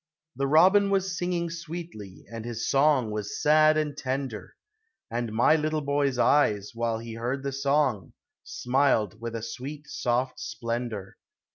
The robin was singing sweetty, And his song was sad and tender ; And my little boy's eyes, while he heard the song, Smiled with a sweet, soft splendor.